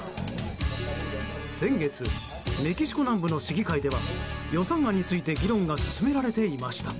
先月メキシコ南部の市議会では予算案について議論が進められていました。